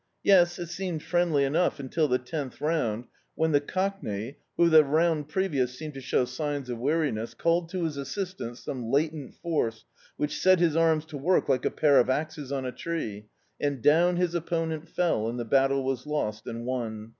Yes, it seemed friendly enou^ until the tenth round when the Cockney, who the round previous seemed to show signs of weari ness, called to his assistance some latent force which set his arms to work like a pair of axes cm a tree, and down his opponent fell, and the battle was lost and won.